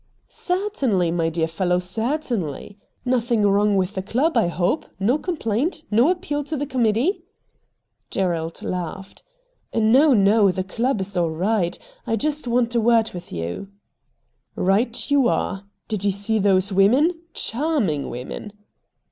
' Certainly, my dear fellow, certainly. Nothing wrong with the club, I hope. No complaint ? No appeal to the Committee ?' Gerald laughed. ' No, no ; the club is all right. I just want a word with you.' ' Eight you are. Did you see those women ? Charming women